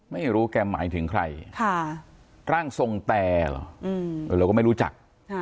ไม่รู้แกหมายถึงใครร่างทรงแต่เหรอเราก็ไม่รู้จัก